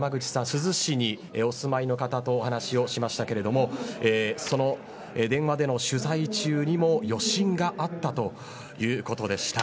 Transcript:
珠洲市にお住まいの方とお話をしましたけれどもその電話での取材中にも余震があったということでした。